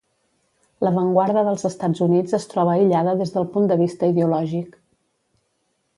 L'avantguarda dels Estats Units es troba aïllada des del punt de vista ideològic.